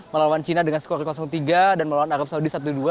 melawan cina dengan skor tiga dan melawan arab saudi satu dua